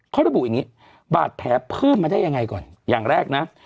เขาระบุอย่างนี้บาดแผลเพิ่มมาได้ยังไงก่อนอย่างแรกนะ